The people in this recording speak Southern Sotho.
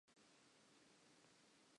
Ke motse ofe wa morena Mofokeng.